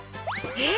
えっ？